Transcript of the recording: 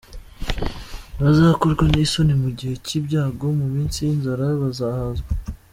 Ntibazakorwa n’isoni mu gihe cy’ibyago, Mu minsi y’inzara bazahazwa.